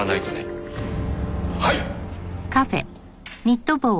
はい！